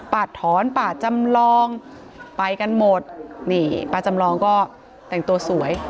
ป่าถอนป่าจำลองไปกันหมดนี่ป้าจำลองก็แต่งตัวสวย